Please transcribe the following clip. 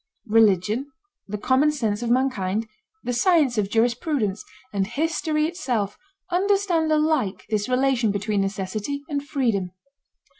Religion, the common sense of mankind, the science of jurisprudence, and history itself understand alike this relation between necessity and freedom.